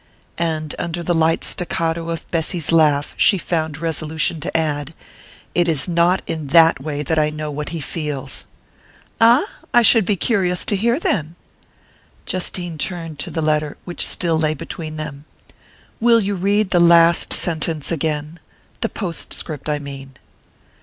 And under the light staccato of Bessy's laugh she found resolution to add: "It is not in that way that I know what he feels." "Ah? I should be curious to hear, then " Justine turned to the letter, which still lay between them. "Will you read the last sentence again? The postscript, I mean."